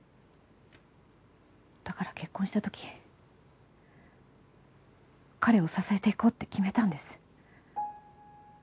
だから結婚した時彼を支えていこうって決めたんです。